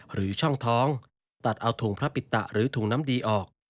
หรือช่องท้องตัดเอาถุงพระปิตะหรือถุงน้ำดีออก